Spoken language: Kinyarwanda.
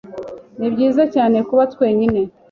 Nibyiza cyane kuba twenyine.